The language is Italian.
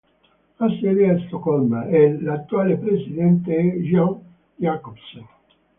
Ha sede ad Stoccolma e l'attuale presidente è Jan Jacobsen.